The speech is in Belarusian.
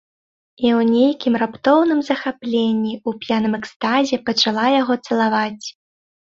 І ў нейкім раптоўным захапленні, у п'яным экстазе пачала яго цалаваць.